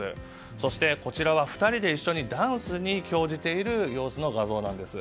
そして、こちらは２人で一緒にダンスに興じている様子の画像です。